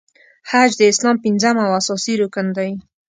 حج د اسلام پنځم او اساسې رکن دی .